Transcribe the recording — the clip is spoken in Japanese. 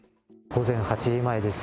午前８時前です。